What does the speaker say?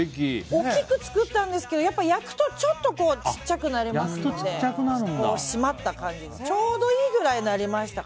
大きく作ったんですけど焼くとちょっと小さくなりますので締まった感じでちょうどいいぐらいになりました。